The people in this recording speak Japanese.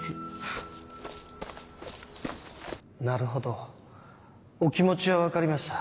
なるほどお気持ちは分かりました。